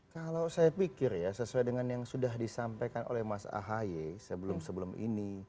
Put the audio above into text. kalau saya pikir ya sesuai dengan yang sudah disampaikan oleh mas ahy sebelum sebelum ini